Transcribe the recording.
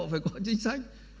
phải có chính sách